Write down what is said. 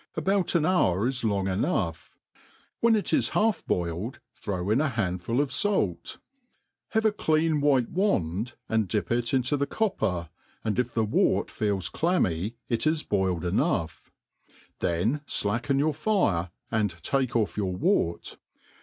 About SLtt hour is long enough; when it h ha|f boiled, throw in a hand * ful of fatt. Have a cleaft whke wand and dip ft into the cop per, and if the wort feck clammy it ia boiled enough^; then ilacken your fire, and take off your wort.